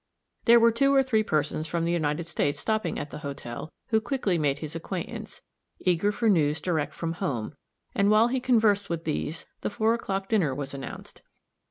There were two or three persons from the United States stopping at the hotel, who quickly made his acquaintance, eager for news direct from home, and while he conversed with these the four o'clock dinner was announced.